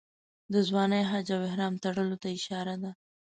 د ځوانۍ حج او احرام تړلو ته اشاره ده.